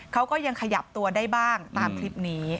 เขาก็ยังขยับตัวได้บ้างตามคลิปนี้